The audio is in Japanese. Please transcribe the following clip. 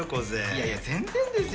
いやいや全然ですよ。